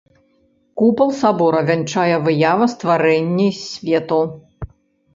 Купал сабора вянчае выява стварэнні свету.